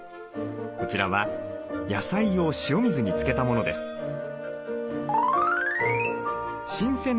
こちらは野菜を塩水に漬けたものです。